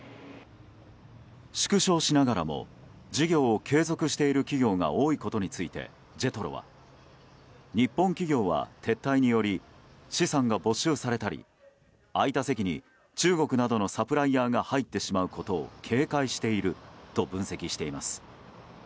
縮小しながらも事業を継続している企業が多いことについて、ＪＥＴＲＯは日本企業は撤退により資産が没収されたり空いた席に中国などのサプライヤーが入ってしまうことを警戒していると分析しています。